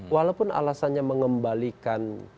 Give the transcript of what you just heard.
walaupun alasannya mengembalikan